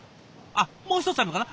あっもう一つあるのかな？